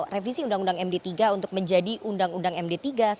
revisi undang undang md tiga untuk menjadi undang undang md tiga